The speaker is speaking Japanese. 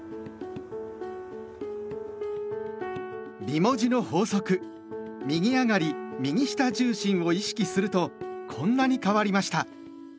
美文字の法則「右上がり右下重心」を意識するとこんなに変わりました。